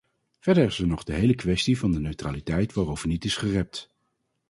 Verder is er nog de hele kwestie van de neutraliteit waarover niet is gerept.